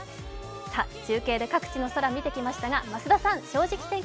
中継で各地の空を見てきましたが増田さん「正直天気」